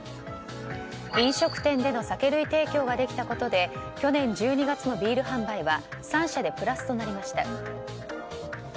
飲食店での酒類提供ができたことで去年１２月のビール販売は３社でプラスとなりました。